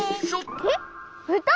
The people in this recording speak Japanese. えっ？うた？